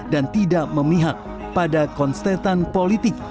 dan tidak memihak pada konstetan politik